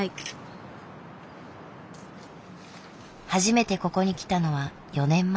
初めてここに来たのは４年前。